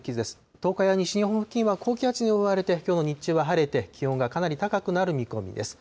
東海や西日本付近は高気圧に覆われて、きょうの日中は晴れて、気温がかなり高くなる見込みです。